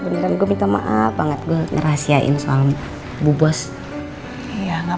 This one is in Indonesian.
beneran gue minta maaf banget gue ngerahasiain soal bubos ya nggak